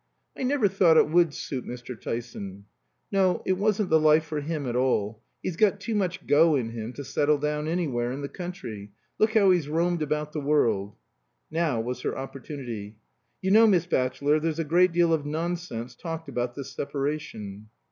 "I never thought it would suit Mr. Tyson." "No; it wasn't the life for him at all. He's got too much go in him to settle down anywhere in the country. Look how he's roamed about the world." (Now was her opportunity.) "You know, Miss Batchelor, there's a great deal of nonsense talked about this separation."